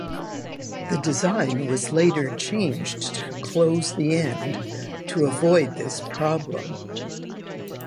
The design was later changed to close the end to avoid this problem.